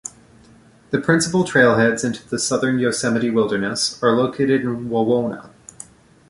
The principal trailheads into the southern Yosemite wilderness are located in Wawona.